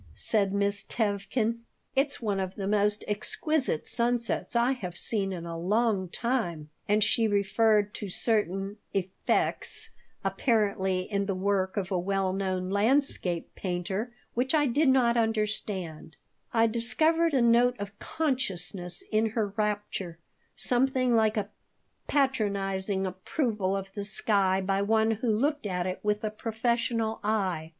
said Miss Tevkin. "It's one of the most exquisite sunsets I have seen in a long time." And she referred to certain "effects," apparently in the work of a well known landscape painter, which I did not understand I discovered a note of consciousness in her rapture, something like a patronizing approval of the sky by one who looked at it with a professional eye.